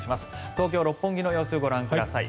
東京・六本木の様子ご覧ください。